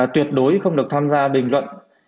tuyệt đối không được tham gia bình luận